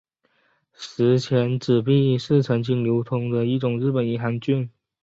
十钱纸币是曾经流通的一种日本银行券。